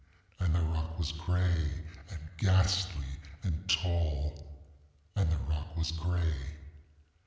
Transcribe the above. And the rock was gray, and ghastly, and tall, ŌĆöand the rock was gray.